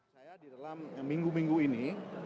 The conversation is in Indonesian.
saya di dalam minggu minggu ini